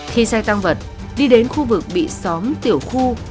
khi xe tăng vật đi đến khu vực bị xóm tiểu khu